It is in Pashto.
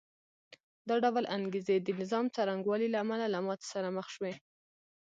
دا ډول انګېزې د نظام څرنګوالي له امله له ماتې سره مخ شوې